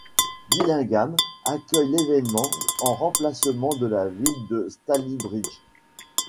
Billingham accueille l'événement en remplacement de la ville de Stalybridge.